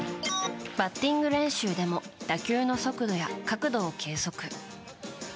バッティング練習でも打球の速度や角度を計測。